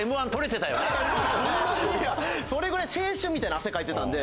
それぐらい青春みたいな汗かいてたんで。